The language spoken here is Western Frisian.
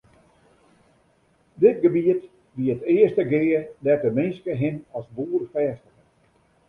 Dit gebiet wie it earste gea dêr't de minske him as boer fêstige.